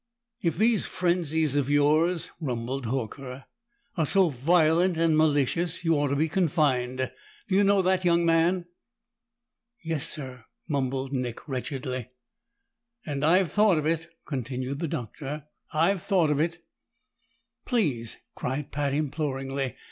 "If these frenzies of yours," rumbled Horker, "are so violent and malicious, you ought to be confined. Do you know that, young man?" "Yes, sir," mumbled Nick wretchedly. "And I've thought of it," continued the Doctor. "I've thought of it!" "Please!" cried Pat imploringly.